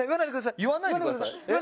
言わないでください！